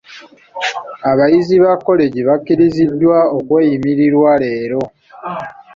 Abayizi ba kkolegi bakkiriziddwa okweyimirirwa leero.